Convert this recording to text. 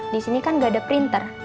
di sini kan gak ada printer